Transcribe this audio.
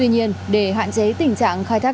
nắm danh sách